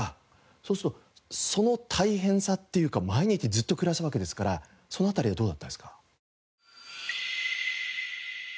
そうするとその大変さっていうか毎日ずっと暮らすわけですからその辺りはどうだったんですか？